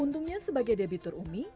untungnya sebagai debitur umi